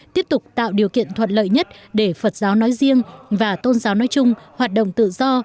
tiếp tục tạo điều kiện thuận lợi nhất để phật giáo nói riêng và tôn giáo nói chung hoạt động tự do